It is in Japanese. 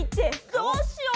どうしよう。